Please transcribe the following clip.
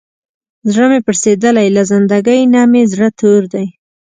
زړه مې پړسېدلی، له زندګۍ نه مې زړه تور دی.